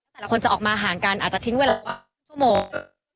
แต่ละคนจะออกมาห่างกันอาจจะทิ้งเวลาชั่วโมง